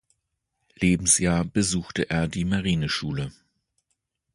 Lebensjahr besuchte er die Marineschule.